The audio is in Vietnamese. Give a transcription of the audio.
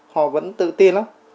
họ vẫn tự tin lắm